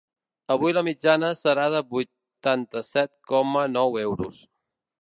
Avui la mitjana serà de vuitanta-set coma nou euros.